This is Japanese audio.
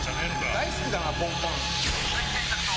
大好きだなポンカン。